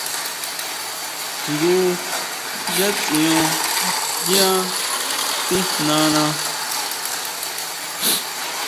Jngu yá tsión yá tijnana.